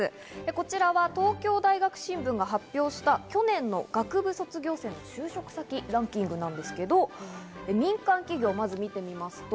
こちらは東京大学新聞が発表した去年の学部卒業生の就職先ランキングなんですけど、民間企業をまず見ていきますと。